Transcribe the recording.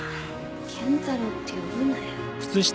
健太郎って呼ぶなよ。